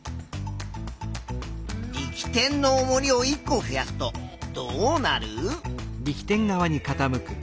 力点のおもりを１個増やすとどうなる？